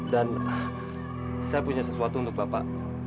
dan saya punya sesuatu untuk bapak